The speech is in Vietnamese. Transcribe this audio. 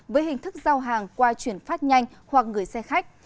với hình thức giao hàng qua chuyển phát nhanh hoặc gửi xe khách